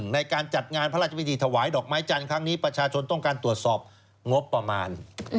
ในการจัดงานพระราชพิธีถวายดอกไม้จันทร์ครั้งนี้ประชาชนต้องการตรวจสอบงบประมาณ